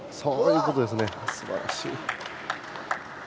すばらしい。